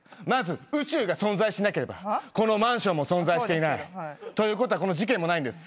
まず宇宙が存在しなければこのマンションも存在していない。ということはこの事件もない。